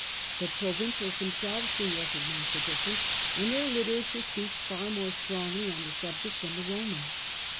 The provincials them selves soon recognized the difference, and their literature speaks far more strongly on the subject than the Roman.